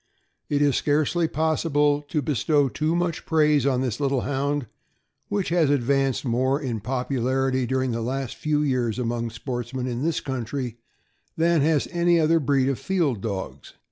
It is scarcely possible .to bestow too much praise on this little Hound, which has advanced more in popularity dur ing the last few years among sportsmen in this country than has any other breed of field dogs.